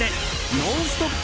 ノンストップ！